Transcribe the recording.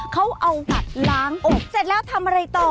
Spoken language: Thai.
เขาเอาบัตรล้างอกเสร็จแล้วทำอะไรต่อ